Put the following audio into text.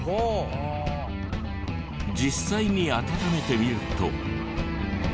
実際に温めてみると。